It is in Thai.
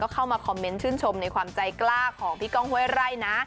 เข้ามาคอมเมนต์ชื่นชมในความใจกล้าของพี่ก้องห้วยไร่นะ